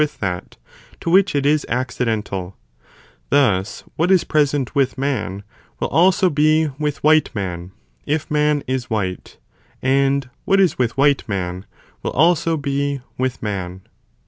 with that, to which it is accidental ; thus, what is present with man, will also be with white man, if man is white, and what is with white man, will also be with man.